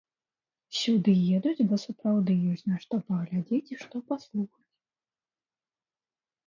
Сюды едуць, бо сапраўды ёсць на што паглядзець і што паслухаць.